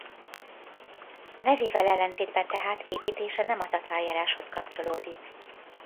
Nevével ellentétben tehát építése nem a tatárjáráshoz kapcsolódik.